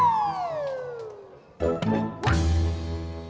tamu lokasi bekas baik baik